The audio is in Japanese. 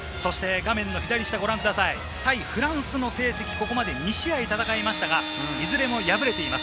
画面の左下、対フランスの成績、ここまで２試合戦いましたが、いずれも敗れています。